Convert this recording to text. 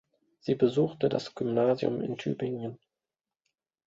Sie besuchte das Gymnasium in Tübingen.